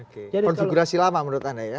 oke konfigurasi lama menurut anda ya